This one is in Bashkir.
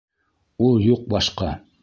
Ул юҡ башҡа.